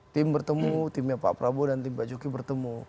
tim bertemu timnya pak prabowo dan tim pak jokowi bertemu